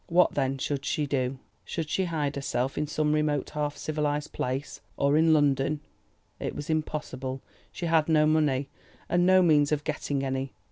What then should she do? Should she hide herself in some remote half civilised place, or in London? It was impossible; she had no money, and no means of getting any.